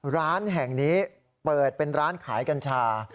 ร้านแห่งนี้เปิดเป็นร้านขายกัญชา